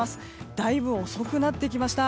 だいぶ遅くなってきました。